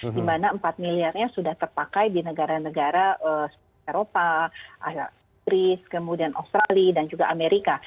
dimana empat miliarnya sudah terpakai di negara negara eropa afrika kemudian australia dan juga amerika